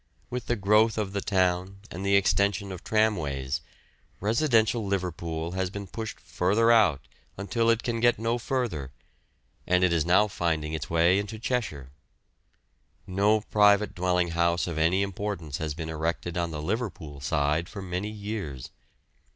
With the growth of the town and the extension of tramways, residential Liverpool has been pushed further out until it can get no further, and it is now finding its way into Cheshire. No private dwelling house of any importance has been erected on the Liverpool side for many years.